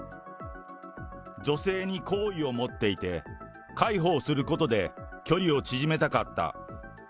女性に好意を持っていて、介抱することで距離を縮めたかった。